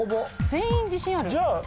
全員自信ある。